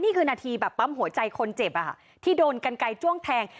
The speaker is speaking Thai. นี่คือนาทีแบบปั๊มหัวใจคนเจ็บที่โดนกันไกลจ้วงแทง